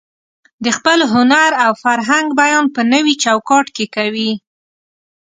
د خپل هنر او فرهنګ بیان په نوي چوکاټ کې کوي.